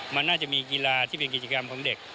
มันน่าจะมีกีฬาที่เป็นกิจกรรมของเด็ก